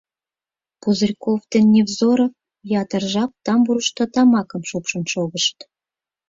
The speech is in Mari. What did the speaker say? Пузырьков ден Невзоров ятыр жап тамбурышто тамакым шупшын шогышт.